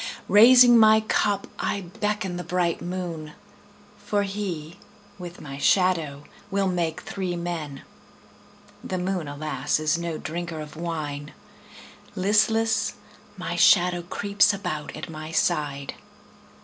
Raising my cup I beckon the bright moon, For he, with my shadow, will make three men. The moon, alas, is no drinker of wine; Listless, my shadow creeps about at my side.